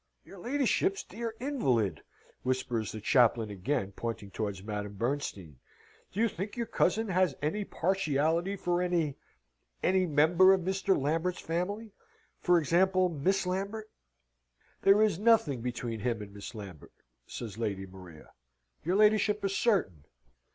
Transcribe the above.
Your ladyship's dear invalid!" whispers the chaplain again pointing towards Madame Bernstein. "Do you think your cousin has any partiality for any any member of Mr. Lambert's family? for example, Miss Lambert?" "There is nothing between him and Miss Lambert," says Lady Maria. "Your ladyship is certain?"